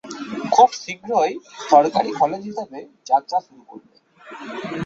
খুব শীঘ্রই সরকারী কলেজ হিসেবে যাত্রা শুরু করবে।